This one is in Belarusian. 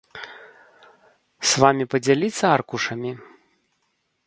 С вамі падзяліцца аркушамі?